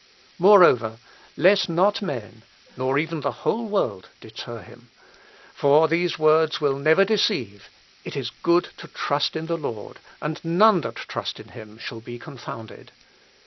Moreover, let not men, nor even the whole world, deter him. For these words will never deceive: 'It is good to trust in the Lord; and none that trust in him shall be confounded.'